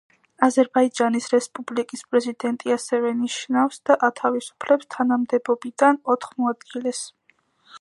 აზერბაიჯანის რესპუბლიკის პრეზიდენტი ასევე ნიშნავს და ათავისუფლებს თანამდებობიდან ოთხ მოადგილეს.